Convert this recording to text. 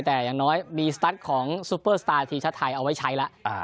แต่อย่างน้อยมีสตัสของซุปเปอร์สตาร์ทีมชาติไทยเอาไว้ใช้แล้ว